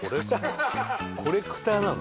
コレクターなの？